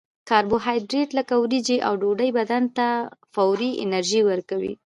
کاربوهایدریت لکه وریجې او ډوډۍ بدن ته فوري انرژي ورکوي